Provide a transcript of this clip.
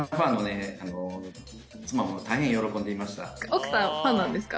奥さんファンなんですか？